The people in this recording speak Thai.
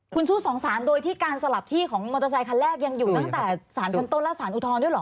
คุณสู้สองสารโดยที่การสลับที่ของมอเตอร์ไซคันแรกยังอยู่ตั้งแต่สารชั้นต้นและสารอุทธรณ์ด้วยเหรอ